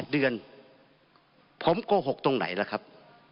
๗เดือนผมโกหกตรงไหนล่ะครับ